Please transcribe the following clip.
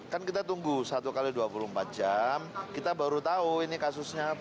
kan kita tunggu satu x dua puluh empat jam kita baru tahu ini kasusnya apa